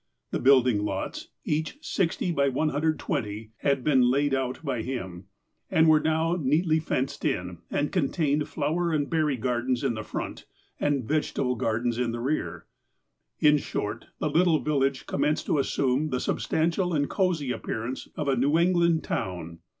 The building lots, each 60 x 120, had been laid out by him, and were now neatly fenced in, and contained flower and berry gardens in the front, and vegetable gardens in the rear. In short, the little village commenced to assume the substantial and cosy appearance of a New England town.